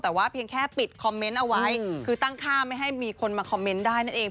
แต่ว่าเพียงแค่ปิดคอมเมนต์เอาไว้คือตั้งค่าไม่ให้มีคนมาคอมเมนต์ได้นั่นเอง